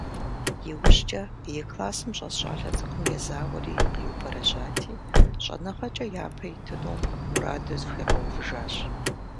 Иужькӏэ и классым щӏэс щӏалэ цӏыкӏум езауэри, къиубэрэжьати, щӏэныгъэкӏэ япэ итыну мураду зыхуигъэувыжащ.